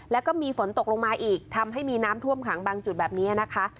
แล้วก็มีฝนตกลงมาอีกทำให้มีน้ำท่วมขังบางจุดแบบนี้นะคะ